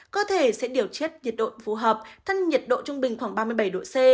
cơ thể sẽ điều tiết nhiệt độ phù hợp thân nhiệt độ trung bình khoảng ba mươi bảy độ c